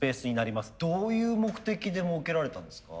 どういう目的で設けられたんですか？